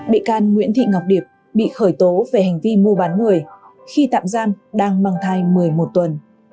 bị can nguyễn thị ngọc điệp bị khởi tố về hành vi mua bán người khi tạm giam đang mang thai một mươi một tuần